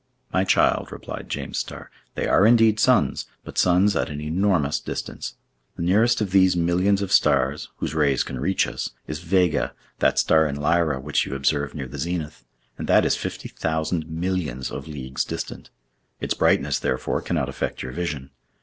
"My child," replied James Starr, "they are indeed suns, but suns at an enormous distance. The nearest of these millions of stars, whose rays can reach us, is Vega, that star in Lyra which you observe near the zenith, and that is fifty thousand millions of leagues distant. Its brightness, therefore, cannot affect your vision.